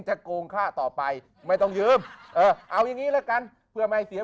จะโกงค่ะต่อไปไม่ต้องยืมเอาอย่างนี้แล้วกันเพื่อไม่เสีย